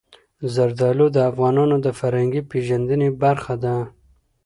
زردالو د افغانانو د فرهنګي پیژندنې برخه ده.